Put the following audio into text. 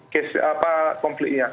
kes apa konfliknya